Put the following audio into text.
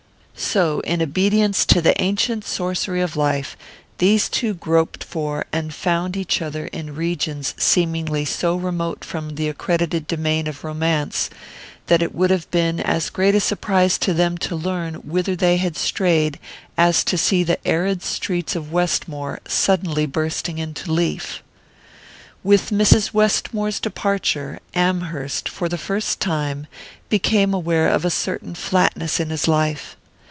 So, in obedience to the ancient sorcery of life, these two groped for and found each other in regions seemingly so remote from the accredited domain of romance that it would have been as a great surprise to them to learn whither they had strayed as to see the arid streets of Westmore suddenly bursting into leaf. With Mrs. Westmore's departure Amherst, for the first time, became aware of a certain flatness in his life.